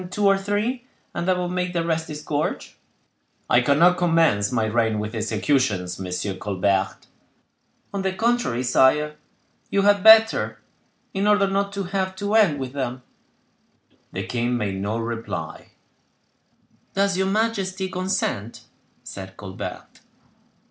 "Hang two or three, and that would make the rest disgorge." "I cannot commence my reign with executions, Monsieur Colbert." "On the contrary, sire, you had better, in order not to have to end with them." The king made no reply. "Does your majesty consent?" said Colbert.